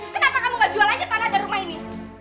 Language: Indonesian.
kenapa kamu gak jual aja tanah dari rumah ini